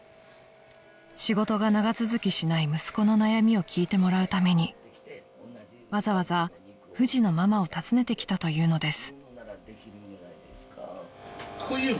［仕事が長続きしない息子の悩みを聞いてもらうためにわざわざふじのママを訪ねてきたというのです］